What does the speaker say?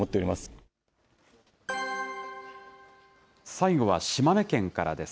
最後は島根県からです。